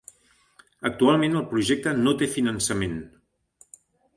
Actualment el projecte no té finançament.